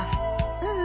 うん。